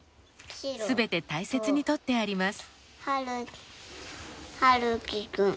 全て大切に取ってあります。